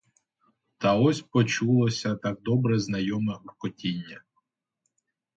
Та ось почулося так добре знайоме гуркотіння.